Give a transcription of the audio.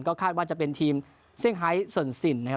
ก็คาดว่าจะเป็นทีมซึ่งไฮส์ส่วนสิ่งนะครับ